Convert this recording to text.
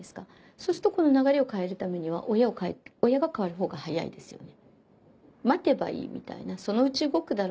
そうするとこの流れを変えるためには親が変わるほうが早いですよね。